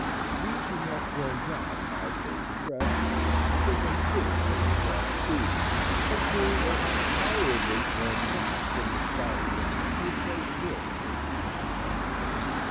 These he had thrown down as they progressed, to give them footing in the soft ooze, and soon they had a tolerably firm path from the solid ground to a place near the great beast.